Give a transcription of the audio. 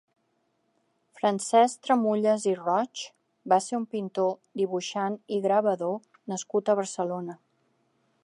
Francesc Tramulles i Roig va ser un pintor, dibuixant i gravador nascut a Barcelona.